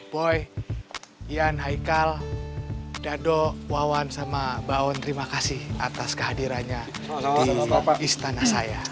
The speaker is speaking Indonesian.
boy ian haikal dado wawan sama baon terima kasih atas kehadirannya di istana saya